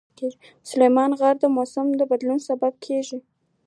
سلیمان غر د موسم د بدلون سبب کېږي.